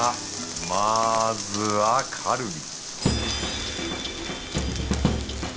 まずはカルビ